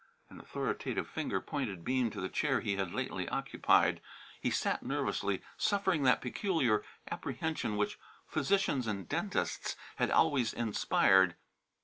An authoritative finger pointed Bean to the chair he had lately occupied. He sat nervously, suffering that peculiar apprehension which physicians and dentists had always inspired.